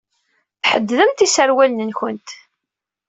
Tḥeddedemt iserwalen-nwent.